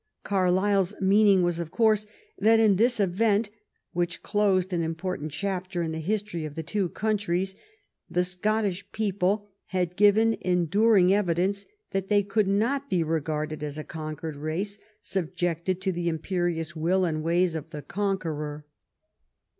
Carlyle's mean ing was, of course, that in this event, which closed an important chapter in the history of the two countries, the Scottish people had given enduring evidence that they could not be regarded as a conquered race sub jected to the imperious will and ways of the conqueror.